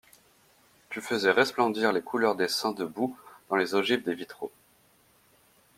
Tu faisais resplendir les couleurs des saints debout dans les ogives des vitraux.